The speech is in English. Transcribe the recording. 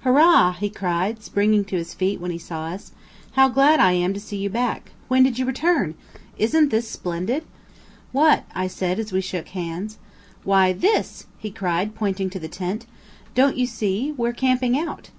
"Hurrah!" he cried, springing to his feet when he saw us. "How glad I am to see you back! When did you return? Isn't this splendid?" "What?" I said, as we shook hands. "Why this," he cried, pointing to the tent. "Don't you see? We're camping out."